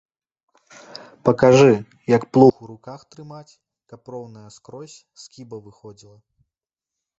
Пакажы, як плуг у руках трымаць, каб роўная скрозь скіба выходзіла.